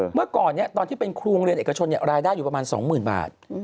เมื่อก่อนตอนที่เป็นครูโรงเรียนเอกชนรายได้อยู่ประมาณ๒๐๐๐บาท